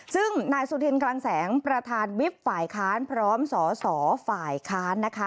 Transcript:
ซึ่งนายสุทีกลางแสงประธานวิทย์ฝ่ายค้านพร้อมสศภาค้านนะคะ